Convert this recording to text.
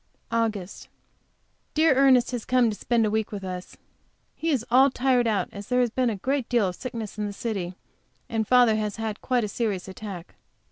AUGUST. Dear Ernest has come to spend a week with us. He is all tired out, as there has been a great deal of sickness in the city, and father has had quite a serious attack.